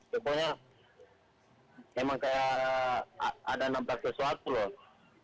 pokoknya memang kayak ada enam belas sesuatu loh